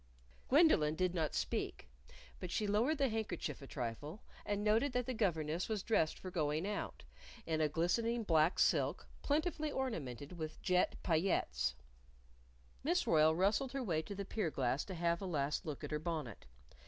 Gwendolyn did not speak. But she lowered the handkerchief a trifle and noted that the governess was dressed for going out in a glistening black silk plentifully ornamented with jet paillettes. Miss Royle rustled her way to the pier glass to have a last look at her bonnet.